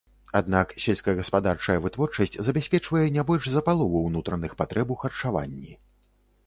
Аднак сельскагаспадарчая вытворчасць забяспечвае не больш за палову ўнутраных патрэб у харчаванні.